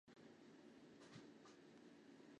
基督教堂是芬兰首都赫尔辛基的一座教堂。